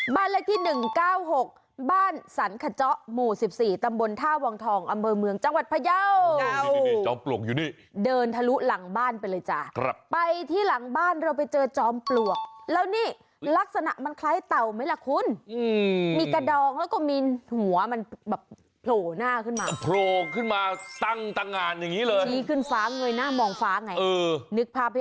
บ้านเลขที่๑๙๖บ้านสรรคเจ๋อมูร์๑๔ตำบลท่าวงทองอะเมอเมืองจังหวัดเพย็ว